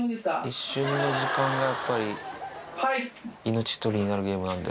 一瞬の時間がやっぱり命取りになるゲームなんで。